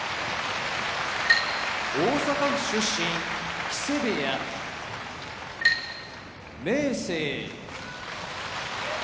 大阪府出身木瀬部屋明生